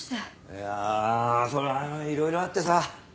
いやあそれはいろいろあってさ。